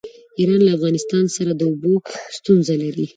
ایران له افغانستان سره د اوبو ستونزه لري.